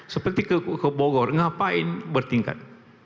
seperti ke bogor ngapain bertingkat